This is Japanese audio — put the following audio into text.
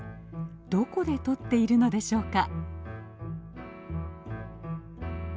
どこで採っているのでしょうか。